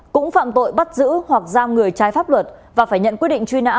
cũng phạm tội bắt giữ hoặc giam người trái pháp luật và phải nhận quyết định truy nã